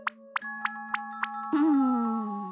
うん。